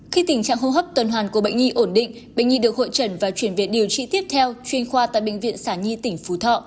khi tình trạng hô hấp tuần hoàn của bệnh nhi ổn định bệnh nhi được hội trần và chuyển viện điều trị tiếp theo chuyên khoa tại bệnh viện sản nhi tỉnh phú thọ